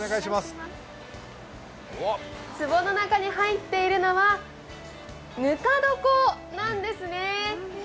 つぼの中に入っているのはぬか床なんですね。